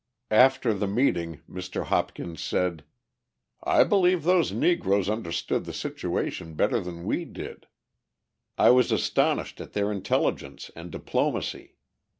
After the meeting Mr. Hopkins said: "I believe those Negroes understood the situation better than we did. I was astonished at their intelligence and diplomacy.